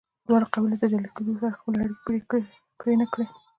دواړو قبیلو د جلا کیدو سره خپلې اړیکې پرې نه کړې.